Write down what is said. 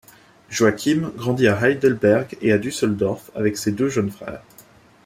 Joachim grandit à Heidelberg et à Düsseldorf avec ses deux jeunes frères.